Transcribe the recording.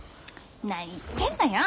何言ってんのよ！